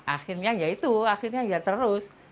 akhirnya ya itu akhirnya ya terus